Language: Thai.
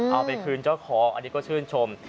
เอาไปคืนเจ้าของอันนี้ก็ชื่นชม